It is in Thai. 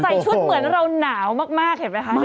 ชุดเหมือนเราหนาวมากเห็นไหมคะ